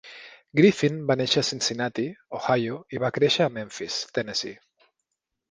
Griffin va néixer a Cincinnati, Ohio, i va créixer a Memphis, Tennessee.